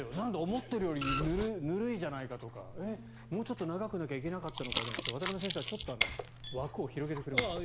思ったよりぬるいじゃないかとかもうちょっと長くなきゃいけないじゃなくて渡邊先生はちょっと枠を広げてくれました。